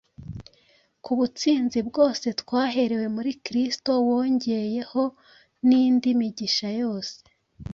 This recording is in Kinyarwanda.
ku butsinzi bwose twaherewe muri Kiristo wongeyeho n’indi migisha yose;